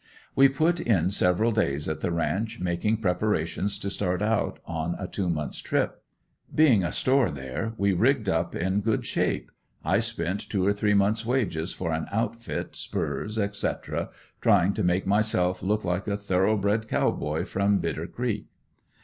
We put in several days at the ranch making preparations to start out on a two months trip. Being a store there we rigged up in good shape; I spent two or three months' wages for an outfit, spurs, etc., trying to make myself look like a thoroughbred Cow Boy from Bitter creek.